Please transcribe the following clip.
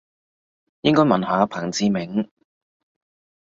應該問下彭志銘